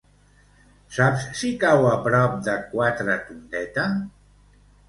Saps si cau a prop de Quatretondeta?